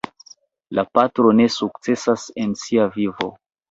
La patro ne sukcesas en sia vivo.